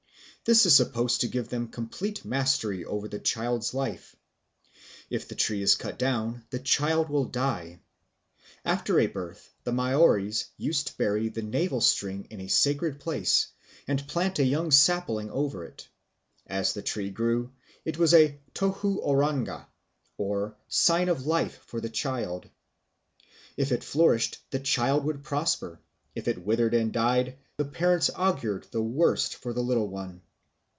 This is supposed to give them complete mastery over the child's life; if the tree is cut down, the child will die. After a birth the Maoris used to bury the navel string in a sacred place and plant a young sapling over it. As the tree grew, it was a tohu oranga or sign of life for the child; if it flourished, the child would prosper; if it withered and died, the parents augured the worst for the little one.